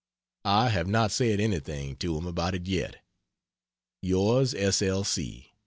I have not said anything to him about it yet. Yours S. L. C.